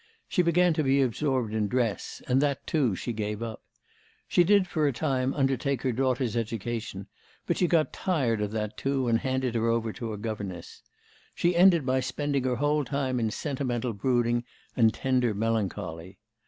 She began to be absorbed in dress, and that, too, she gave up. She did, for a time, undertake her daughter's education, but she got tired of that too, and handed her over to a governess. She ended by spending her whole time in sentimental brooding and tender melancholy.